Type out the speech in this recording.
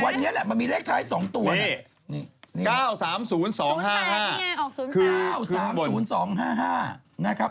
วันนี้แหละมันมีเลขท้ายสองตัวนะ